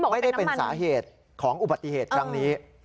ไม่ได้เป็นสาเหตุของอุบัติเหตุครั้งนี้